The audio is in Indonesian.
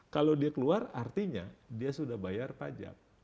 kalau dia keluar artinya dia sudah bayar pajak